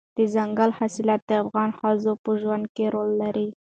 دځنګل حاصلات د افغان ښځو په ژوند کې رول لري.